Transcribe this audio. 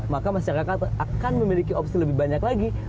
maka masyarakat akan memiliki opsi lebih banyak lagi